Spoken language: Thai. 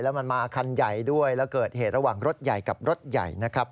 มันมาคันใหญ่ด้วยแล้วเกิดเหตุระหว่างรถใหญ่กับรถใหญ่นะครับ